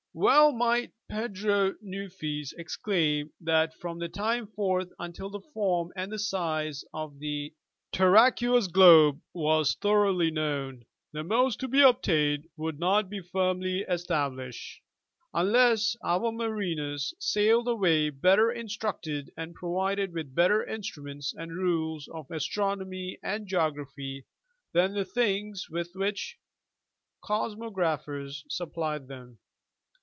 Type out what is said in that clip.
Well might Pedro Nunes exclaim that from that time forth until the form and size of the terraqueous globe were thoroughly known, the most to be obtained would not be firmly established, " unless our mariners sailed away better instructed and provided with better instruments and rules of Astronomy and Geography than the things with which cosmographers supplied them."